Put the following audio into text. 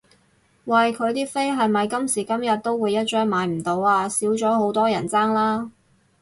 喂佢啲飛係咪今時今日都會一張買唔到啊？少咗好多人爭啦？